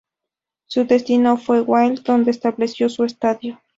Su destino fue Wilde, donde estableció su estadio.